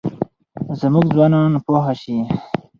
زموږ ځوانان پوه شي.